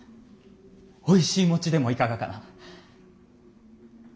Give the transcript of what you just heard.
おいしい餅でもいかがかな。